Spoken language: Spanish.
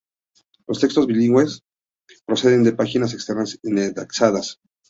Los textos bilingües proceden de páginas externas indexadas.